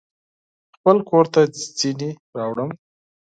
خپل کورته ځینې راوړم